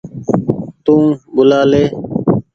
تو ٻوُلآ لي ۔